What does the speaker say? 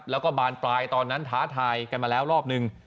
แล้วก็บานปลายตอนนั้นท้าทายกันมาแล้วรอบนึง